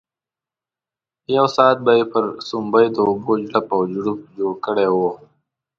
یو ساعت به یې پر سومبۍ د اوبو چړپ او چړوپ جوړ کړی وو.